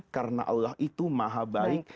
karena allah itu maha baik